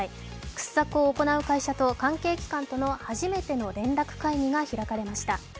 掘削を行う会社と関係機関との初めての連絡会議が開かれました。